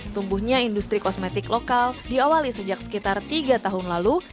tumbuhnya industri kosmetik lokal diawali sejak sekitar tiga tahun lalu